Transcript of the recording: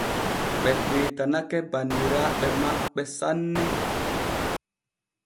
Ɓe ɗoytanake banniraaɓe maɓɓe sanne.